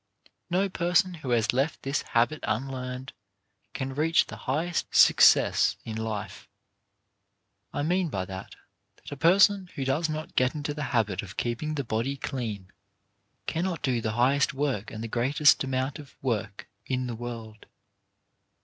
No person who has left this habit unlearned can reach the highest success in life. I mean by that, that a person who does not get into the habit of keeping the body clean, cannot do the highest work and the greatest amount of work in the world.